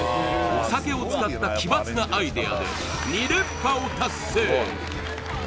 お酒を使った奇抜なアイデアで２連覇を達成